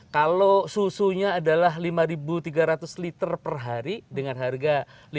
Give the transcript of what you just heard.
kalau susunya adalah lima tiga ratus liter per hari dengan harga